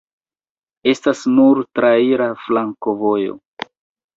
Estas nur traira flankovojo.